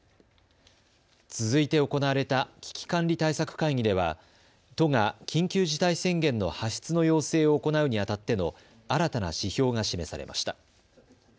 続いて行われた危機管理対策会議では都が緊急事態宣言の発出の要請を行うにあたっての新たな指標が示されました。